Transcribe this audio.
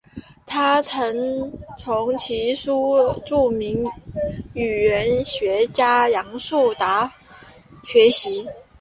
他曾从其叔著名语言学家杨树达学习。